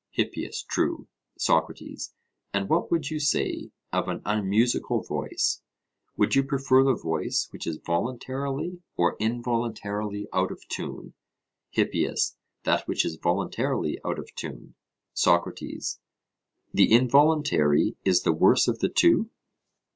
HIPPIAS: True. SOCRATES: And what would you say of an unmusical voice; would you prefer the voice which is voluntarily or involuntarily out of tune? HIPPIAS: That which is voluntarily out of tune. SOCRATES: The involuntary is the worse of the two?